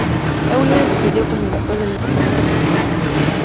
Euler le sucedió como director del departamento de Matemáticas.